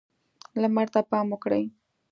لمر ته پام وکړئ.